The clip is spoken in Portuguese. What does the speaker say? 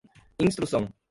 instrução